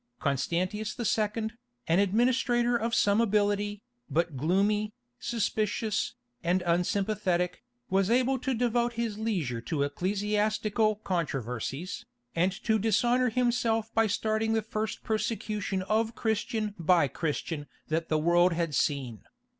Constantius II., an administrator of some ability, but gloomy, suspicious, and unsympathetic, was able to devote his leisure to ecclesiastical controversies, and to dishonour himself by starting the first persecution of Christian by Christian that the world had seen.